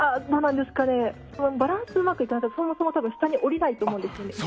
バランスがうまくいかないとそもそも下に下りないと思うんですよね。